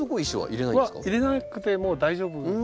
入れなくても大丈夫。